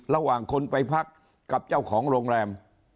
ระหว่างคนไปพักกับเจ้าของโรงแรม